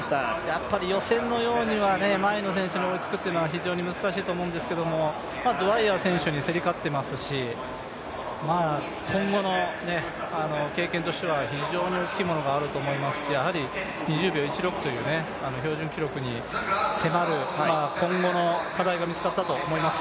やっぱり予選のようには前の選手に追いつくのは非常に難しいと思うんですけどドウァイヤー選手に競り勝っていますし今後の経験としては、非常に大きいものがあると思いますし、２０秒１６という標準記録に迫る、今後の課題が見つかったと思います。